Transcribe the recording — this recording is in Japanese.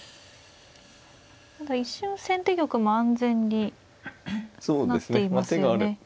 ただ一瞬先手玉も安全になっていますよね。